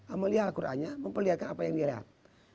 amaliyah al qur'annya memperlihatkan apa yang dia lihat